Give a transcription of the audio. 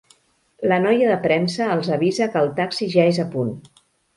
La noia de premsa els avisa que el taxi ja és a punt.